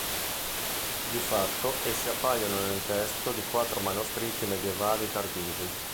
Di fatto esse appaiono nel testo di quattro manoscritti medioevali tardivi.